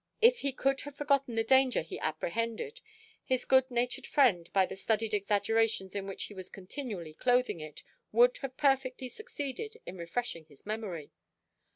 If he could have forgotten the danger he apprehended, his good natured friend by the studied exaggerations in which he was continually clothing it, would have perfectly succeed in refreshing his memory.